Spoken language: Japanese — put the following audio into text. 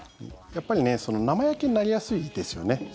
やっぱり生焼けになりやすいですよね。